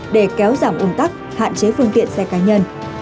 để kéo giảm un tắc hạn chế phương tiện xe cá nhân